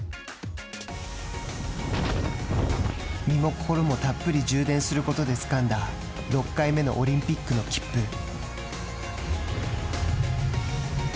身も心もたっぷり充電することでつかんだ６回目のオリンピックの切符。